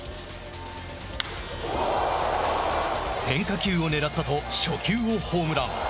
変化球を狙ったと初球をホームラン。